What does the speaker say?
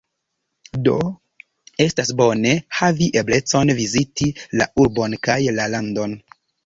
Do, estas bone havi eblecon viziti la urbon kaj la landon.